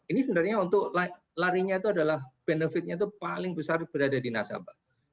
ini sebenarnya untuk larinya itu adalah benefitnya itu paling besar berada di nasabah